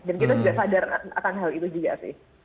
dan kita sudah sadar akan hal itu juga sih